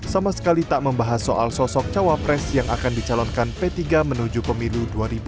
sama sekali tak membahas soal sosok cawapres yang akan dicalonkan p tiga menuju pemilu dua ribu dua puluh